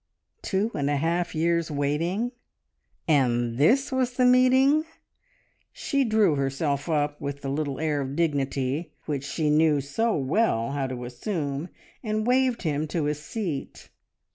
Two and a half years' waiting, and this was the meeting! She drew herself up, with the little air of dignity which she knew so well how to assume, and waved him to a seat.